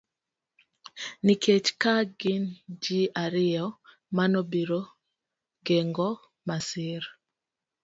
Nikech ka gin ji ariyo, mano biro geng'o masir